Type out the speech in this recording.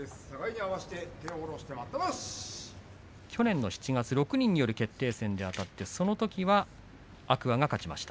去年の７月６人による決定戦であたってそのときは天空海が勝ちました。